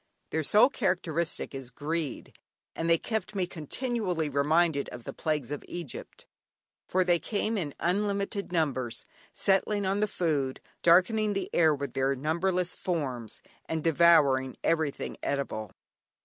Their sole characteristic is greed, and they kept me continually reminded of the plagues of Egypt, for they came in unlimited numbers, settling on the food, darkening the air with their numberless forms, and devouring everything eatable!